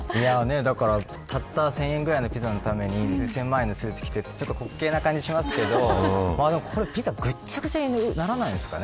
だた、千円くらいのピザのために数千万円のスーツを着てちょっと滑稽な感じがしますけどピザぐちゃぐちゃにならないんですかね。